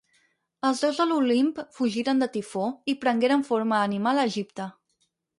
Els déus de l'Olimp fugiren de Tifó i prengueren forma animal a Egipte.